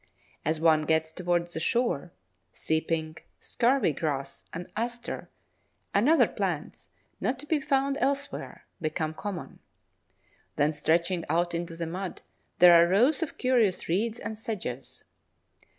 As one gets towards the shore, Sea pink, Scurvy grass, an Aster, and other plants, not to be found elsewhere, become common. Then stretching out into the mud there are rows of curious reeds and sedges.